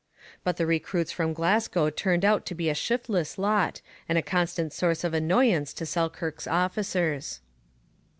But the recruits from Glasgow turned out to be a shiftless lot and a constant source of annoyance to Selkirk's officers.